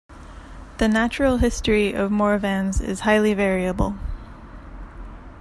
The natural history of Morvan's is highly variable.